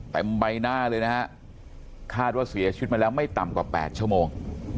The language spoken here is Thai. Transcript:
ใบหน้าเลยนะฮะคาดว่าเสียชีวิตมาแล้วไม่ต่ำกว่า๘ชั่วโมง